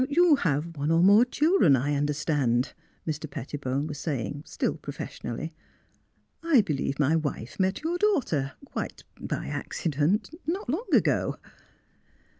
" You have one or more children, I under stand? " Mr. Pettibone was saying, still profes sionally. '' I believe my wife met your daughter, quite — er — by accident, not long ago."